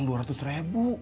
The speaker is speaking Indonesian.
ternyata kurang dua ratus ribu